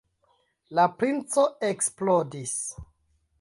La princo eksplodis.